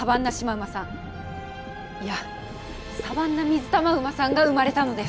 いやサバンナミズタマウマさんが生まれたのです。